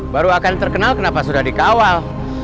baru akan terkenal kenapa sudah dikawal